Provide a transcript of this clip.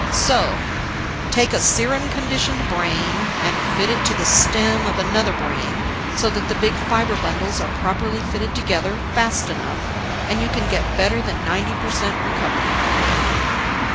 So, take a serum conditioned brain and fit it to the stem of another brain so that the big fiber bundles are properly fitted together, fast enough, and you can get better than ninety per cent recovery."